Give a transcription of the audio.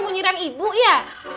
menyerang ibu ya